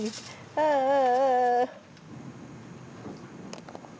ああああ。